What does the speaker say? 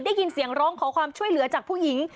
ได้ยินเสียงร้องขอความช่วยเหลือจากผู้หญิง